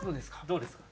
どうですか？